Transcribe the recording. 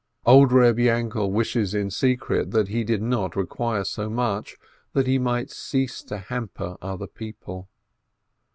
Old Reb Yainkel wishes in secret that he did not require so much, that he might cease to hamper other people